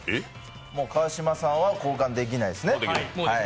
もう川島さんは交換できないですね。